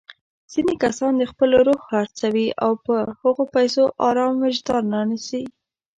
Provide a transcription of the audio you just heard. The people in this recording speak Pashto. ځيني کسان خپل روح خرڅوي او په هغو پيسو ارام وجدان رانيسي.